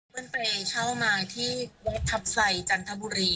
เปิ้ลไปเช่ามาที่ทับไสจันทบุรี